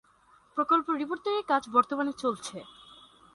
প্রকল্প রিপোর্ট তৈরির কাজ বর্তমানে চলছে।